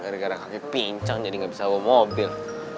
gara gara kaki pincang jadi nggak bisa bawa mobil